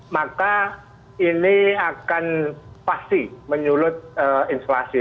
maka ini akan pasti menyulut inflasi